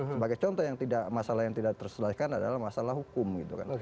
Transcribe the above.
sebagai contoh yang tidak masalah yang tidak terselesaikan adalah masalah hukum gitu kan